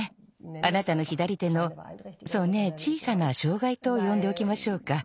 あなたの左手のそうね小さなしょうがいとよんでおきましょうか。